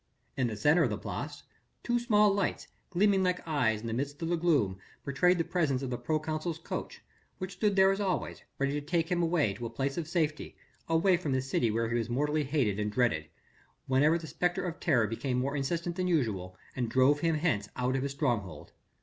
In the centre of the Place, two small lights, gleaming like eyes in the midst of the gloom, betrayed the presence of the proconsul's coach, which stood there as always, ready to take him away to a place of safety away from this city where he was mortally hated and dreaded whenever the spectre of terror became more insistent than usual, and drove him hence out of his stronghold.